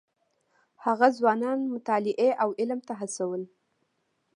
هغه ځوانان مطالعې او علم ته هڅول.